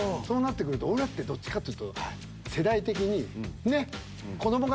そうなってくると俺らってどっちかっていうと世代的にねっ。